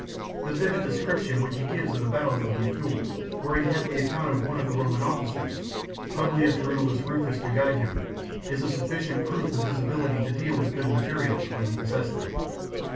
The vivid description which he gives of the battle of the Muthul, where he had the account of one of the Roman officers, Publius Rutilius Rufus, to guide him, is a sufficient proof of his ability to deal with good materials when he possessed them.